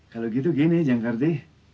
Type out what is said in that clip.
kalau gitu gini jangkardi